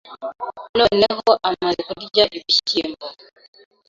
Noneho amaze kurya ibishyimbo